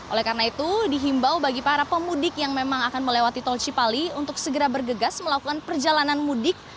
oleh karena itu dihimbau bagi para pemudik yang memang akan melewati tol cipali untuk segera bergegas melakukan perjalanan mudik